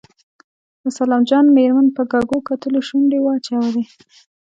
د سلام جان مېرمن په کږو کتلو شونډې واچولې.